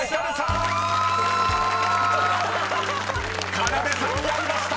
［かなでさんやりました！